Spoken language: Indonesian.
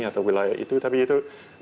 atau wilayah itu tapi itu